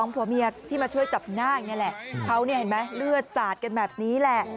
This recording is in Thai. ๒ผัวเมียที่มาช่วยจับหน้าอย่างนี้แหละเขาเห็นไหมเลือดสาดกันแบบนี้แหละ